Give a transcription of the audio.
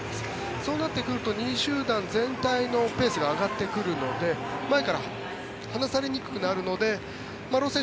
そうなってくると２位集団全体のペースが上がってくるので前から離されにくくなるので丸尾選手